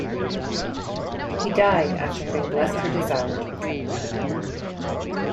He died after having blessed her desire to become a nun.